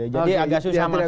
jadi agak susah masuk ke dalam